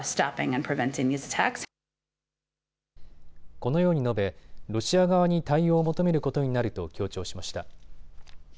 このように述べロシア側に対応を求めることになると強調しました。